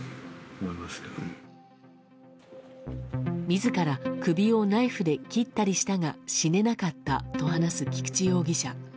自ら首をナイフで切ったりしたが死ねなかったと話す、菊池容疑者。